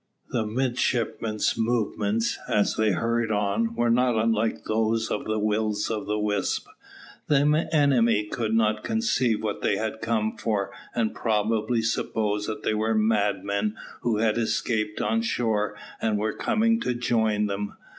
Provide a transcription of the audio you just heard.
The midshipmen's movements, as they hurried on, were not unlike those of Wills of the Wisp. The enemy could not conceive what they had come for, and probably supposed that they were madmen who had escaped on shore, and were coming to join them.